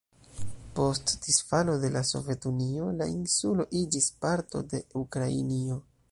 Post disfalo de la Sovetunio, la insulo iĝis parto de Ukrainio.